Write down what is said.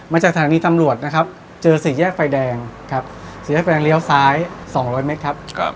จากสถานีตำรวจนะครับเจอสี่แยกไฟแดงครับสี่แยกไฟแดงเลี้ยวซ้าย๒๐๐เมตรครับ